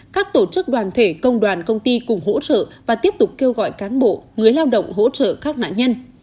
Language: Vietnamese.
các tổ chức đoàn thể công đoàn công ty cùng hỗ trợ và tiếp tục kêu gọi cán bộ người lao động hỗ trợ các nạn nhân